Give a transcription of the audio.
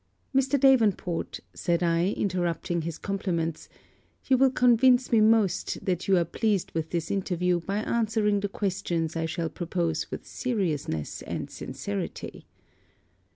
'Mr. Davenport,' said I, interrupting his compliments, 'you will convince me most that you are pleased with this interview by answering the questions I shall propose with seriousness and sincerity.'